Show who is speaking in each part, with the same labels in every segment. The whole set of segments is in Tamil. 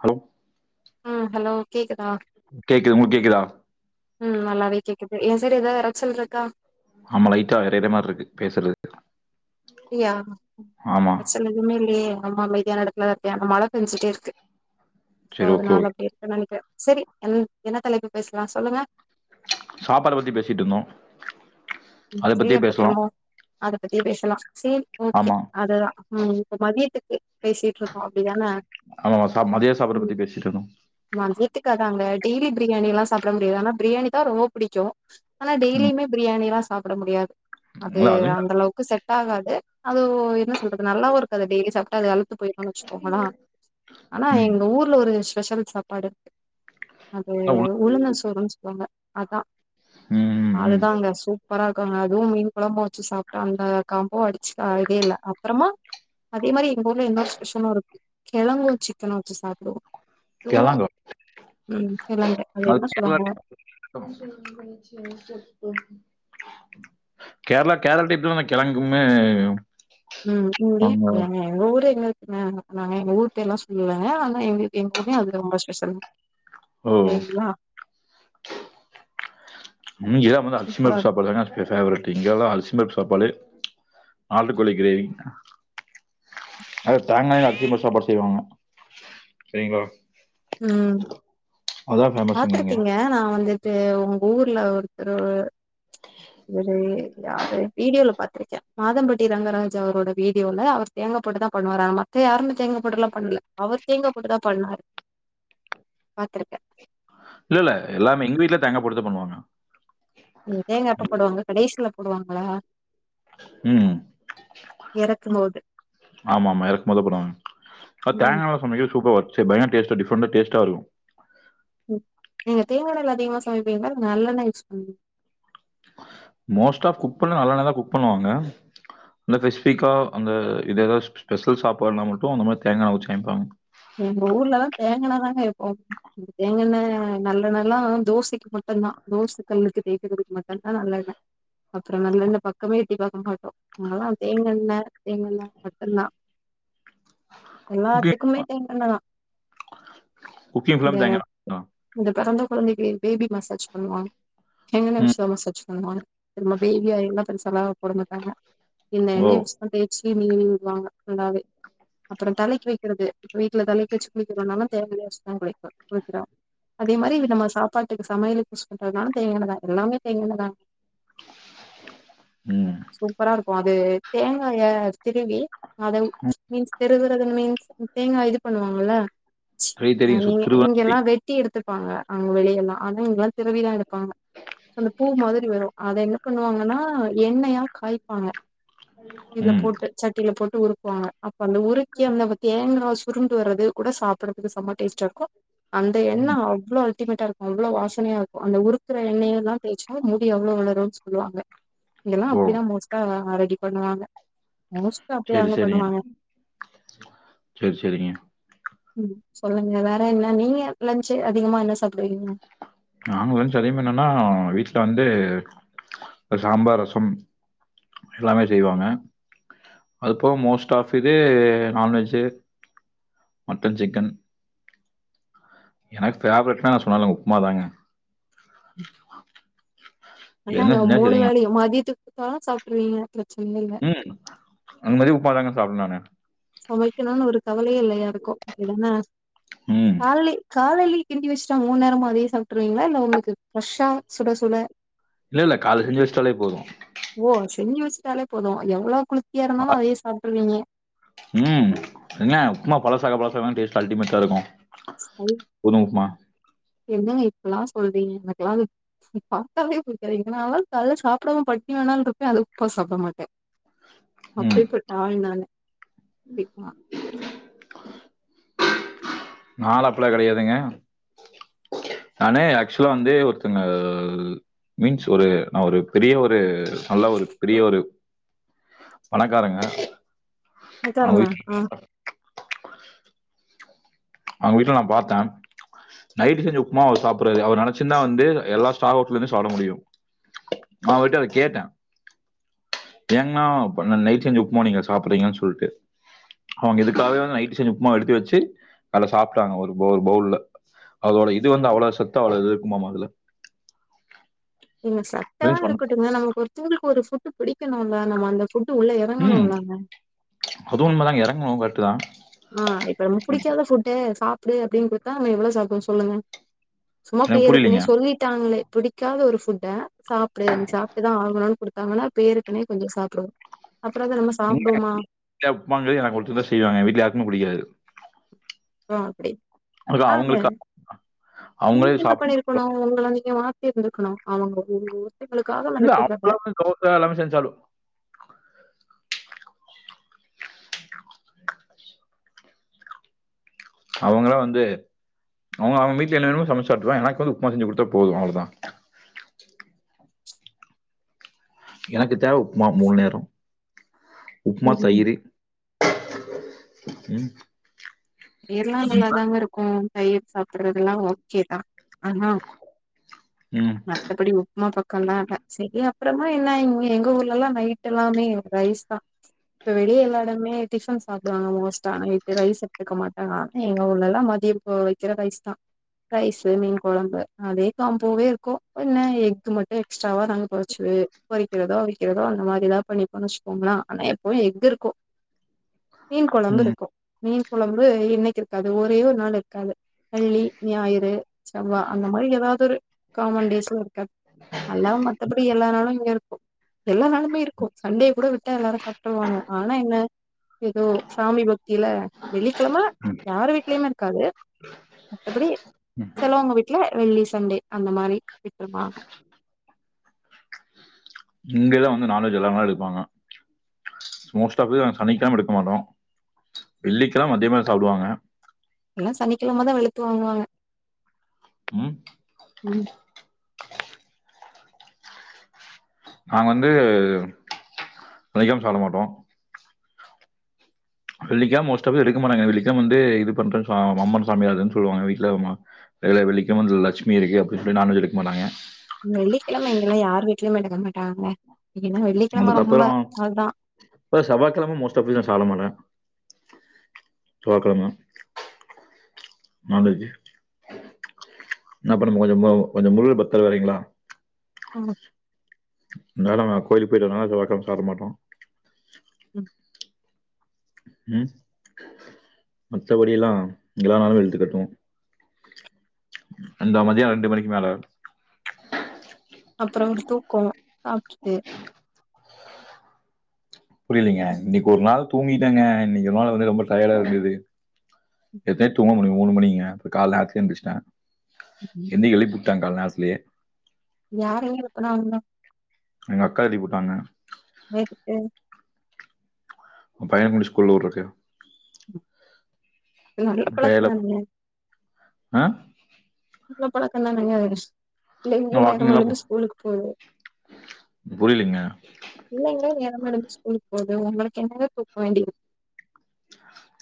Speaker 1: ஹலோ
Speaker 2: ம் ஹலோ கேக்குதா
Speaker 1: கேக்குது உங்களுக்கு கேக்குதா
Speaker 2: ஹம் நல்லாவே கேக்குது ஏ சைடு ஏதாவது எரச்சல் இருக்கா
Speaker 1: ஆமா லைட்டா எறையுர மாரி இருக்கு பேசுறது
Speaker 2: அப்டியா
Speaker 1: ஆமா
Speaker 2: பசங்க ஏதுமே இல்லைய ரொம்ப அமைதியான எடத்துலதா இருக்கே ஆனா மழை பெஞ்சுட்டே இருக்கு சோ
Speaker 1: சரி ஓகே
Speaker 2: அதனால
Speaker 1: ஓகே
Speaker 2: அப்படி இருக்குனு நெனைக்கிறே சரி என் என்ன தலைப்பு பேசலா சொல்லுங்க
Speaker 1: சாப்பாட பத்தி பேசிட்டு இருந்தோ
Speaker 2: எ அப்ப திரும்பவு அது த்தியே பேசலா சரி ஓகே
Speaker 1: ஆமா
Speaker 2: அததா உஹ்ம் இப்ப மதியத்துக் பேசிட்ருக்கோ அப்பிடிதானே
Speaker 1: ஆமா சா மதிய சாப்பாடை
Speaker 2: உம்
Speaker 1: பத்தி பேசிட்டு இருந்தோம்
Speaker 2: [unintelligible] வீட்டுக்காரர் அங்க டெய்லி பிரியாணில்லா சாப்ட முடியாது ஆனா பிரியாணி த ரொம்ப புடிக்கு ஆனா
Speaker 1: ம்,
Speaker 2: டெய்லியுமே பிரியாணியா ஸ் சாப்ட முடியாது அது
Speaker 1: இல்ல அதுவும் க-
Speaker 2: அந்தளவுக்கு செட் ட்டாகாது அது என்ன சொல்றது நல்லாவு இருக்காது டெய்லி சாப்ட்டா அது அலுத்து போயிரும்னு வச்சுக்கோங்களே ஆனா
Speaker 1: ம்,
Speaker 2: எங்க ஊர்ல ஒரு ஸ்பெஷல் சாப்பாடு அது
Speaker 1: இல்ல
Speaker 2: உளுந்த
Speaker 1: உள்ள-
Speaker 2: சோறுன்னு சொல்லுவாங்க அதா
Speaker 1: ம், ம், ம்.
Speaker 2: அதுதா அங்க சூப் ரா இருக்கு அதுவு மீன் கொழம்பு வச்சு சாப்ட்டா அந்த காம்போ அடிச்சுக்க ஆளே இல்ல அப்பறமா அதே மாரி எங்க ஊர்ல இன்னொரு ஸ்பெஷலு இருக்கு கெழங்கு சிக்கனு வச்சு சாப்டுவோ
Speaker 1: கெழங்கா
Speaker 2: உம்
Speaker 1: அது கேரளா [unintelligible] கேரளா கேரளா டைப்லா அந்த கெழங்குமே
Speaker 2: உம் இங்கே எங்க ஊரே எங்க ஆ நங்க எங்க ஊர் பேர் எல்லா சொல்லல ஆனா எங் எங்க ஊர்லயு அது ரொம்ப ஸ்பெஷல் தா
Speaker 1: ஓ
Speaker 2: கேக்குதா
Speaker 1: இங்கதா அரிசி
Speaker 2: சூப்பரா
Speaker 1: பருப்பு
Speaker 2: இருக்கும்.
Speaker 1: சாப்பாடு தா ஃபேவரைட் இங்க எல்லா அரிசி [unintelligible] பருப்பு சாப்பாடு நாட்டுக்கோழி கிரேவி அதில தேங்காய் அரைச்சு போட்டு சாப்பாடு செய்வாங்க சரிங்களா
Speaker 2: உம்
Speaker 1: அதான் ஃபேமஸ் இங்க
Speaker 2: பாத்திருக்கீங்க நா வந்து தே உங்க ஊர்ல ஒருத்தரு இவரு யாரு வீடியோல பார்த்திருக்க மாதம்பட்டி ரங்கராஜ் அவரோட வீடியோல அவர் தேங்க போட்டு தா பண்ணுவாரு ஆனா மத்த யாரு தேங்காய போட்டு எல்லா பண்ணல அவர் தேங்காய போட்டு தா பண்ணாரு பாத்துருக்க
Speaker 1: இல்ல இல்ல எல்லாமே எங்க வீட்ல தேங்காய போட்டு தான் பண்ணுவாங்க
Speaker 2: தேங்கா எப்ப போடுவாங்க கடைசியில போடுவாங் களா
Speaker 1: உஹம்
Speaker 2: இறக்கும்போது.
Speaker 1: ஆமா ஆமா இறக்கு போது தா போடுவாங்க
Speaker 2: ம்.
Speaker 1: தேங்காயல சமைக்கது சூப்பர் வ ச பயங்கர டேஸ்டா டிஃப்ரன்டா டேஸ்டா இருக்கு
Speaker 2: [unintelligible] நல்லெண்ண யூஸ் பண்
Speaker 1: மோஸ்ட் ஆஃப் குக் பண்ணா நல்லெண்ணைலதா குக் பண்ணுவாங்க அந்த ஸ்பெசிபிக்கா அந்த இதேதாவது ஸ்பெசல் சாப்பாடுனா மட்டு அந்த மாரி தேங்ககாண்ண ஊத்தி சமைப்பாங்க
Speaker 2: தேங்கண்ணதாங்க எப்போமே தேங்கண்ணெ நல்லண்ணல்லா தோசைக்கு மட்டுந்தா தோச கல்லுக்கு தேய்க்கறதுக்கு மட்டும்தா நல்லெண்ண அப்ரோ நல்லெண்ண பக்கமே எட்டி பாக்கமாட்டோ நாங்களா தேங்கண்ணெ தேங்கண்ண மட்டும்தா
Speaker 1: குக்கிங்
Speaker 2: எல்லாத்துக்குமே
Speaker 1: குக்கிங்
Speaker 2: இந்த
Speaker 1: ஃபுல்லாமே தேங்காண்ணதானா
Speaker 2: இந்த பெறந்த குழந்தைக்கு பேபி மசாஜ் பண்ணுவாங்க எங்கன
Speaker 1: ம்.
Speaker 2: [unintelligible] நம்ம பேபியா இல்லாம செலாவ போடமாட்டாங்க இந்த
Speaker 1: ஓ!
Speaker 2: எண்ணெய வச்சிதா தேச்சி ஈவினிங் நீவி விடுவாங்க நல்லாவே அப்ரோ தலைக்கு வைக்கிறது வீட்டுல தலைக்கு வச்சு குளிக்க சொன்னாலும் [unintelligible] வச்சிதான் குளிப்பே குளிக்கிற அதே மாரி இது நம்ம சாப்பாட்டுக்கு சமையலுக்கு யூஸ் பண்றதுனாலு தேங்காண்ணதா எல்லாமே தேங்காண்ணதா
Speaker 1: உம்
Speaker 2: கு அது தேங்காய திருவி அத
Speaker 1: ம்.
Speaker 2: மீன்ஸ் திருகு [unintelligible] மீன்ஸ் தேங்கா இது பண்ணுவாங்கள
Speaker 1: தெரியும், தெரியும். சோ
Speaker 2: நீங்க
Speaker 1: திருவாதிரை
Speaker 2: இங்கெல்லா வெட்டி எடுத்து ங்க அங்க வெளியல்லா அத இங்கல்லா திருவிதா எடுப்பாங்க சோ அந்த பூ மாதிரி வரும் அதை என்ன பண்ணுவாங்கன்னா எண்ணெயா காய்பாங்க இதுல
Speaker 1: ம்.
Speaker 2: போட்டு சட்டில போட்டு உறுக்குவாங்க அப்ப அந்த உருக்கி அந்த தேங்கா சுருண்டு வர்றது கூட சாப்பிடறதுக்கு செம டேஸ்டா இருக்கு அந்த எண்ணெ
Speaker 1: ம்.
Speaker 2: அவ்லோ அல்டிமேட்டா இருக்கு அவ்லோ வாசனையா இருக்கு அந்த உறுக்குற எண்ணெயல்லா தேய்ச்சா முடி அவ்வளவு வளரு சொல்லுவாங்க இங்கல்லா
Speaker 1: ஓ!
Speaker 2: அப்டிதா மோஸ்ட்டா ரெடி பண்ணுவாங்க மோஸ்ட்டா
Speaker 1: சரி,
Speaker 2: அப்படியாங்க பண்ணுவாங்க
Speaker 1: செரி செரிங்க
Speaker 2: ம் சொல்லுங்க வேற என்ன நீங்க லஞ்ச்சு அதிகமா என்ன சாப்பிடுவீங்க
Speaker 1: நாங்க வந்துட்டு அதிகமா என்னன்னா வீட்டில் வந்து சாம்பார் ரசம் எல்லாமே செய்வாங்க அதுப்போக மோஸ்ட் ஆஃப் இது நான்வெஜ்ஜு மட்டன் சிக்கன் எனக்கு ஃபேவரெட்னா நா சொன்னால உப்மாதாங்க என்ன
Speaker 2: அதாங்க
Speaker 1: செஞ்சா
Speaker 2: மூணு
Speaker 1: சரிங்க.
Speaker 2: வேளையு மதியத்துக் தா சாப்ட்ருவிங்க பிரசனயுமில்லா
Speaker 1: ம். அந்த மாரி உப்மாதாங்க சாப்டுவெ நானு
Speaker 2: சமைக்கணுனு ஒரு கவலையே இல்ல யாருக்கு அப்டிதான
Speaker 1: ம்.
Speaker 2: கால்லே காலைலே கிண்டி வச்சுட்டா மூனுநேரமு அதே சாப்ட்ருவிங்களா இல்ல உங்களுக்கு ப்ரெஷ்ஷா சுட சுட
Speaker 1: இல்ல இல்ல கால்ல செஞ்சு வச்டாலே போது
Speaker 2: ஓ செஞ்சி வச்சுட்டாலே போது எவ்வளோ குளி
Speaker 1: ஆர் உம் என்ன உப்மா பழச சாக பழசாகதா டேஸ்ட் அல்டிமேட்டா இருக்கு
Speaker 2: என்ன இப் பல்லா சொல்றீங்க எனக்குலா அத பாத்தாலே புடிக்காது இதனால லா காலல சாப்டாம பட்னி வேனாலு இருப்பே ஆனா உப்மா சாப்ட மாட்டே
Speaker 1: ம்.
Speaker 2: அப்பேர்பட்ட ஆல் நானு க்குமா
Speaker 1: நாலா அப்பிட்லா கெடையாதுங்க நானு ஆக்சுவலா வந்து ஒருத்தங்க மீன்ஸ் ஒரு நா ஒரு பெரிய ஒரு நல்ல ஒரு பெரிய ஒரு பணக்காரங்க அவங்க
Speaker 2: [unintelligible]
Speaker 1: வீட்
Speaker 2: ஆஹ்
Speaker 1: அவுங்க வீட்ல நா பாத்தே நைட் செஞ்ச உப்புமாவ அவுர் சாப்புடறாரு அவர் நெனச்சுர்ந்தா வந்து எல்லா ஸ்டார் ஹோட்டல்யுமே சாப்ட முடியு. நா அவர்கிட்ட வந்து அத கேட்டே. ஏங்ணா நைட் செஞ்ச உப்மாவ நீங்க சாப்பிட்றீங்கன்னு சொல்ட்டு. அவங்க இதுக்காகவே வந்து நைட்டு செஞ்ச உப்மாவ எடுத்து வச்சு அதுல சாப்ட்டாங்க ஒரு ஒரு பவுல்ல. அதோட இது வந்து அவ்ளோ சத்து அவ்ளோ இது இருக்குமாமா அதுல
Speaker 2: இங்க சத்தல்லா
Speaker 1: அப்படின்னு சொன்னேன்
Speaker 2: இருக்கட்டுங்க நமக்கு ஒருந்தவுங்கள்க்கு ஒரு ஃபு பிடிக்கணுல நம்ம அந்த ஃபுட்டு உள்ள எறங்கணுல்லங்க
Speaker 1: றங்கனு கரெட்டுதா
Speaker 2: ஆஹ் இப்ப நமக்கு புடிக்காத ஃபுட்டே சாப்டு அப்படினு குடுத்தா நாம எவ்ளோ சாப்டுவோ சொல்லுங்க சும்மா
Speaker 1: எனக்கு
Speaker 2: பேருக்குனே
Speaker 1: புரியலீங்க
Speaker 2: சொல்லிட்டாங்களே பிடிக்காத ஒரு ஃபுட்ட சாப்டு நீ சாப்ட்டுதா ஆகணு குடுத்தாங்கனா பேருக்குனே கொஞ்ச சாப்டுவோ அப்றோ அத நம்ம
Speaker 1: நீங்க
Speaker 2: சாப்டுவோமா
Speaker 1: [inaudible] உப்மாங்கறது எனக்கு மட்டுந்தா செய்வாங்க எங்க வீட்ல புடிக்காது
Speaker 2: ஆஹ் அப்டி ஆங்க நீங்க
Speaker 1: அவங்களே
Speaker 2: என்ன
Speaker 1: சாப்பிடணும்
Speaker 2: பண்ணிருக்கணு உங்கள மாத்தி இருந்துர்க்கணும் அவங்க ஒ
Speaker 1: இல்ல அப்பளமு தோச எல்லாமே செஞ்சாலும் அவுங்களா வந்து அவுங்க அவுங்க வீட்ல என்னென்னமோ சமைச்சு சாப்ட்டுப்பாங்க எனக்கு வந்து உப்மா செஞ்சு குடுத்தா போது அவ்ளோதா எனக்கு தேவ உப்மா மூணு நேர உப்மா
Speaker 2: ம்
Speaker 1: தயிறு ம்
Speaker 2: பேர்லா
Speaker 1: ம்
Speaker 2: நல்லாதாங்க இருக்கு கை வெச் சாப்புட்றதெல்லா ஓகேதா ஆஹா
Speaker 1: ம்
Speaker 2: மத்தபடி உப்மா பக் கண்ணாட செரி அப்றமா என்னா இங்க எங்க ஊர்லலா நைட்டெலாமே ரைஸ்தா இப்ப வெளியே எல்லா எடமுமே டிஃபன் சாப்டுவாங்க மோஸ்டா நைட்டு ரைஸு எடுக்க மாட்டாக ஆனா எங்க ஊர்லலா மதிய இப்போ வக்கிற ரைஸ்தான் ரைஸு மீன் கொழம்பு அதே காம்போவே இருக்கு என்ன எக்கு மட்டு எக்ஸ்ட்ராவா நாங்க பொறிச்சு பொறிக்கிறதோ அவிக்கிறதோ அந்த மாரி எதா பண்ணிப்போன் வச்சுக்கோங்களே ஆனா எப்பவு எக் இருக்கு மீன் கொழம்பு
Speaker 1: ம்
Speaker 2: இருக்கு மீன் குழம்பு இன்னைக்கிருக்காது ஒரே ஒரு நாள் இருக்காது வெள்ளி ஞாயிறு செவ்வா அந்த மாரி எதாதொரு காமன் டேஸ்ல இருக்காது நல்லா மத்தபடி எல்லா நாளு இங்க இருக்கு எல்லா நாளுமே இருக்கு சண்டே கூட விட்டா எல்லாரு சாப்ட்ருவாங்க ஆனா என்ன எதோ சாமி பக்தில வெள்ளிக்கிழம
Speaker 1: ம்.
Speaker 2: யாரு வீட்லயுமே இருக்காது மத்தபடி செலவங்க வீட்ல வெள்ளி சண்டே அந்த மாரி விட்ருவாங்க
Speaker 1: இங்கதா வந்து நான்வெஜ் எல்லாமே எடுப்பாங்க மோஸ்ட் ஆஃபு சனிக்கெழம எடுக்க மாட்டோ வெள்ளிக்கெழம் மதியமா சாப்டுவாங்க
Speaker 2: இங்லா சனிக்கிழமதா வெளுத்து வாங்குவாங்க
Speaker 1: ம்.
Speaker 2: உம்
Speaker 1: நாங்க வந்து சனிகெழ்ம் சாப்ட மாட்டோ வெள்ளிக்க மோஸ்ட் ஆஃபு எடுக்க மாட்டாங்க வெள்ளிக்கெம் வந்து இது பண்ற சா அம்மன் சாமி வருதுன் சொல்வாங்க வீட்ல வருமா அதுல வெள்ளிக்கெழ்ம் வந்து லட்சுமி இருக்கு அப்டி இப்டி நான்வெஜ் எடுக் மாட்டாங்க
Speaker 2: உம் வெள்ளிக்கெழம இங்கெல்லா யாரு வீட் லயும் எடுக்க மாட்டாங்க ஏன்னா வெள்ளிக்கிழம ரொம்ப
Speaker 1: அதுக்கப்புறோ
Speaker 2: அதா
Speaker 1: இப்ப செவ்வாகெழம மோஸ்ட் ஆஃப் தி நா சாப்ட மாட்ட செவ்வாகெழம நான்வெஜு நப்ப நம்ம கொஞ்ச பாவோ கொஞ்ச முருக பக்தர் வேறெங்களா
Speaker 2: உம்
Speaker 1: அதுனால நா கோயில்க்கு பொய்ட்டு வரனால செவ்வாகெழம் சாப்ட மாட்டோ
Speaker 2: ம்
Speaker 1: உம் மத்தபடி எல்லா இங்கெலா நாளூ வெழுத்துக்கட்டுவோ அந்த மதியோ ரெண்டு மணிக்கு மேல
Speaker 2: அப்புறோ ஒரு தூக்கோ சாப்டுட்டு
Speaker 1: புரியிலீங்க இன்னைக் ஒரு நாள் தூங்கிட்டேங்க இன்னைக் ஒருநாள் வந்து ரொம்ப டயர்டா இருந்தது நேத்தே தூங்க மணி மூணு மணிங்க கால்ல நேர்த்லே எந்திஸ்ட்ட இன்னைக் எழுப்பிட் டாங் கால் நேர்த்துலயே
Speaker 2: யாரையு எழுப்புனா வந்தா
Speaker 1: எங்க அக்கா எழிப் உட்டாங்க
Speaker 2: எதுக்கு
Speaker 1: ஓ பைய கொண்டுபோய் ஸ்கூல்ல விட்றக்கு
Speaker 2: அது நல்ல பழக்கொதானங்க
Speaker 1: ஆஹ்
Speaker 2: நல்ல பழக்கோ தானங்கஸ்
Speaker 1: ஆ
Speaker 2: பிள்ளைங்ளு நேரமா
Speaker 1: வாக்கிங்லாம் போ
Speaker 2: எழுந்து ஸ்கூலுக்கு போகு
Speaker 1: புரியலைங்க.
Speaker 2: பிள்ளைங்லே நேரமா எழுந்து ஸ்கூலுக் போகுது ஒங்களுக்கென்னங்க தூக்கோ வேண்டி இருக்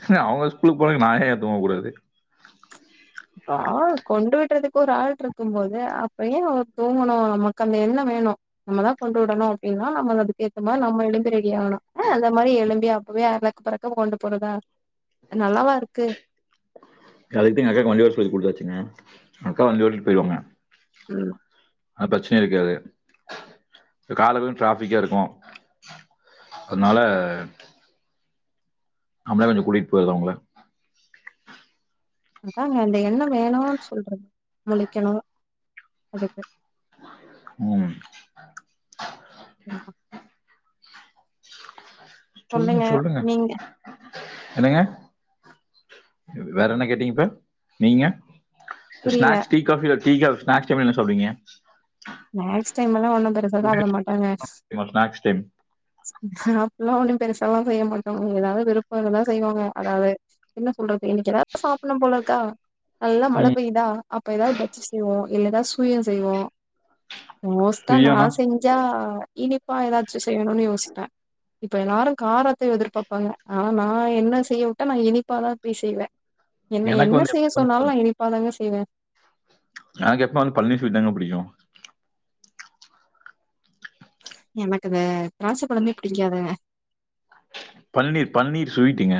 Speaker 1: ஏங்க அவுங்க ஸ்கூலுக்கு போகக் நா ஏ தூங்க கூடாது
Speaker 2: பா கொண்டு விட்றதுக்கு ஒரு ஆள் இருக்கும் போது அப்பயு தூங்கணு நமக் அந்த எண்ணொ வேணு நம்மதா கொண்டு உடணு அப்டின்னா நம்ம அதுக்கு ஏத்த மாரி நம்ம எலும்பி ரெடி ஆணு அஹ் அந்த மாரி எலும்பி அப்புவே அரக்கு பறக்க கொண்டு போறதா அது நல்லாவா இருக்கு
Speaker 1: அதுக்கு தா எங்க அக்காக் வண்டி ஓட் சொல்லி குடுத்தாச்சுங்க அக்கா வண்டி ஓட்டிட் பொய்டுவாங்க
Speaker 2: ம்
Speaker 1: அந் ப்ரச்னே இருக்காது இது காலவு ட்ராஃபிக்கா இருக்கு அத்னால அங்கருந்து கூட்டிட் பொய்ர்லா உங்ள
Speaker 2: அதாங்க அந்த எண்ண வேணான் சொல்ரு முழிக்கிணு அதுக்கு
Speaker 1: ம்
Speaker 2: ம். சொல்லுங்க நீங்க
Speaker 1: என்னங்க வேற என்ன கேட்டீங் இப்ப நீங்க
Speaker 2: புரியல
Speaker 1: snacks tea coffee tea cough snacks டைம்ல என்ன சாப்டுவீங்க
Speaker 2: நேக்ஸ் டைம அத்லா ஒன்னு பெருசா சப்ட மாட்டாங்க
Speaker 1: ஸ்நாக்ஸ் டைம்
Speaker 2: அப்ல்லா ஒன்னு பெருசாலா செய்ய மாட்டோ ஏதாவ்து விருப்போ இருந்தா செய்வாங்க அதாவ்து என்ன சொல்றது இன்னக்கு ஏதாவ்து சாப்புட்னுபோல இருக்கா நல்லா மழை பெய்யுதா அப்ப ஏதாவது பஜ்ஜி செய்வோ இல்லனா சுழியம் செய்வோ மோஸ்டா நா
Speaker 1: சுயனா
Speaker 2: செஞ்சா இனிப்பா ஏதாச்சு செய்யணுனு யோசிப்பே இப்ப எல்லாரு காரத்த எதிர்பாப்பாங்க ஆனா நா என்ன செய்ய வுட்டா நா இனிப்பாதா போய் செய்வே என்ன
Speaker 1: எனக்கு
Speaker 2: என்ன
Speaker 1: வந்து
Speaker 2: செய்ய
Speaker 1: எப்பமே
Speaker 2: சொன்னாலு நா
Speaker 1: வந்து
Speaker 2: இனிப்பாதாங்க செய்வே
Speaker 1: எனக்கு எப்பமே வந்து பனீர் ஸ்விட்தாங்க புடிக்கு
Speaker 2: எனக்கு இந்த திராட்ச பழமே புடிக்காதுங்க
Speaker 1: பனீர் பனீர் ஸ்வீட்டுங்க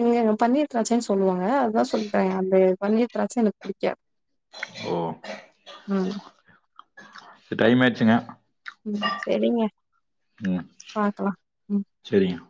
Speaker 2: இங்க பன்னீர் திராச்சைனு சொல்லுவாங்க அதுதா சொல்ட்டே அந்த பன்னீர் திராச்சை எனக்கு புடிக்காது
Speaker 1: ஓ
Speaker 2: ம்
Speaker 1: டைம் ஆயிடுச்சுங்க
Speaker 2: ம் சேரிங்க
Speaker 1: ம்
Speaker 2: பாக்கலா, ம்
Speaker 1: சேரிங்க